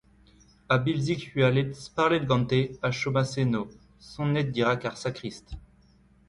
Ha Bilzig hualet, sparlet gante, a chomas eno, sonnet dirak ar sakrist.